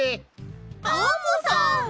アンモさん！